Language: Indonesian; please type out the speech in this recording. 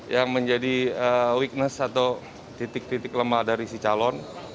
yang menjadi weakness atau titik titik lemah dari si calon